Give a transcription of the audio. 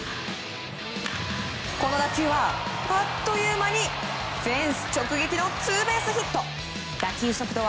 この打球は、あっという間にフェンス直撃のツーベースヒット。